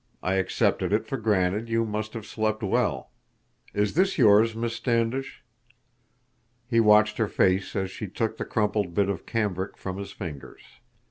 I accepted it for granted you must have slept well. Is this yours, Miss Standish?" He watched her face as she took the crumpled bit of cambric from his fingers.